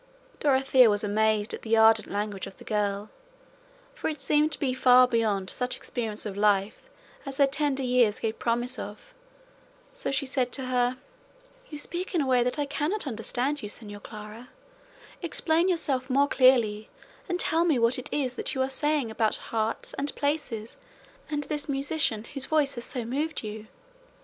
Dorothea was amazed at the ardent language of the girl, for it seemed to be far beyond such experience of life as her tender years gave any promise of, so she said to her: "You speak in such a way that I cannot understand you, Señora Clara; explain yourself more clearly, and tell me what is this you are saying about hearts and places and this musician whose voice has so moved you?